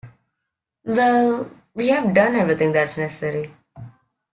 Well, we’ve done everything that’s necessary.